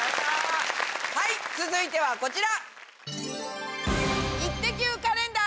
はい続いてはこちら。